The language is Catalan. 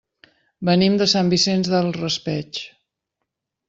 Venim de Sant Vicent del Raspeig.